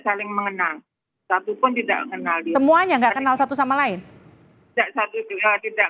saling mengenal satupun tidak mengenal semuanya enggak kenal satu sama lain tidak satu dua tidak